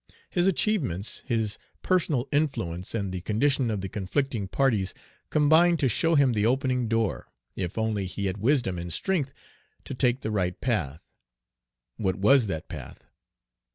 His achievements, his personal influence, and the condition of the conflicting parties, combined to show him the opening door, if only he had wisdom and strength to take the right path. What was that path?